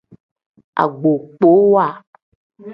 Agbokpowa.